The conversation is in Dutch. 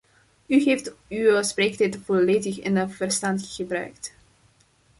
U heeft uw spreektijd volledig en verstandig gebruikt.